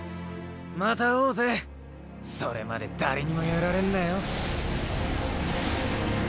また会おうぜそれまで誰にもやられんなよ